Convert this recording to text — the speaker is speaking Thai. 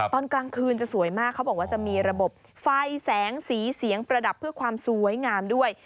ตอนกลางคืนจะสวยมากเขาบอกว่าจะมีระบบไฟแสงสีเสียงประดับเพื่อความสวยงามด้วย